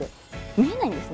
見えないんですね